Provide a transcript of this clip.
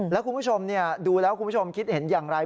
แล้วคุณผู้ชมดูแล้วคุณผู้ชมคิดเห็นอย่างไร